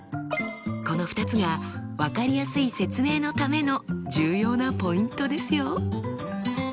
この２つが分かりやすい説明のための重要なポイントですよ！